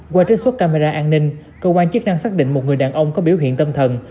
qua trích xuất camera an ninh cơ quan chức năng xác định một người đàn ông có biểu hiện tâm thần